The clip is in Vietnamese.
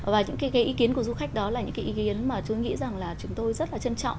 và những cái ý kiến của du khách đó là những cái ý kiến mà tôi nghĩ rằng là chúng tôi rất là trân trọng